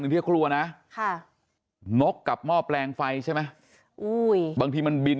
หนึ่งที่กลัวนะค่ะนกกับหม้อแปลงไฟใช่ไหมบางทีมันบิน